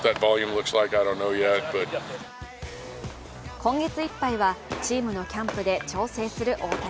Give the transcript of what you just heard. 今月いっぱいはチームのキャンプで調整する大谷。